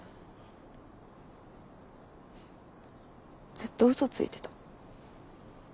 ずっとウソついてた。